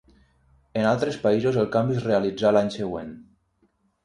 En altres països el canvi es realitzà l'any següent.